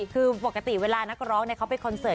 คือปกติเวลานักร้องเขาไปคอนเสิร์ต